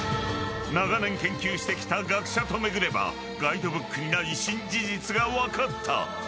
長年研究してきた学者と巡ればガイドブックにない新事実が分かった。